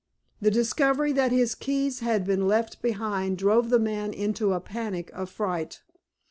The discovery that his keys had been left behind drove the man into a panic of fright.